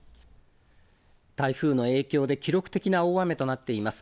台風の影響で記録的な大雨となっています。